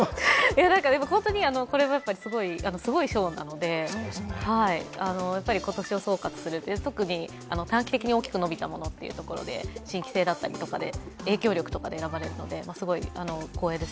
本当にこれもすごい賞なので、今年を総括する、特に短期的に大きく伸びたものというところで新規性だったりとかで影響力とかで選ばれるのですごい光栄です。